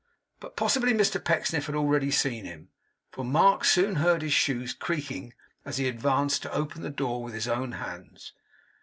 But possibly Mr Pecksniff had already seen him, for Mark soon heard his shoes creaking, as he advanced to open the door with his own hands.